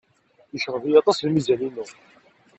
Yecɣeb-iyi aṭas lmizan-inu.